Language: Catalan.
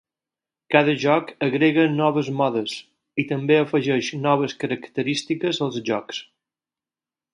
Cada joc agrega noves modes, i també afegeix noves característiques als jocs.